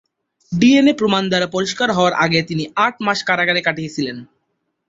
DNA প্রমাণ দ্বারা পরিষ্কার হওয়ার আগে তিনি আট মাস কারাগারে কাটিয়েছিলেন।